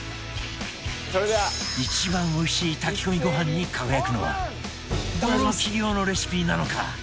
一番おいしい炊き込みご飯に輝くのはどの企業のレシピなのか？